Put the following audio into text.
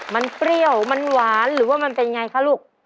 มันเปรี้ยวมันหวานหรือว่ามันเป็นไงคะลูก